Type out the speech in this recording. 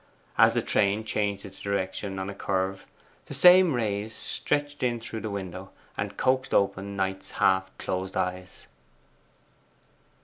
As the train changed its direction on a curve, the same rays stretched in through the window, and coaxed open Knight's half closed eyes.